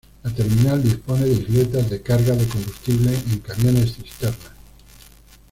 La terminal dispone de isletas de carga de combustible en camiones cisterna.